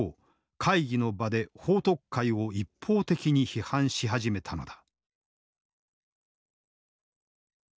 会議の場で彭徳懐を一方的に批判し始めたのだ。